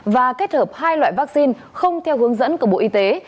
và kết hợp hai loại vaccine không theo hướng dẫn của bộ y tế